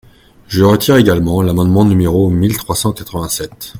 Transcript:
Je retire également l’amendement numéro mille trois cent quatre-vingt-sept.